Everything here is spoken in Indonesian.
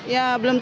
ya belum tentu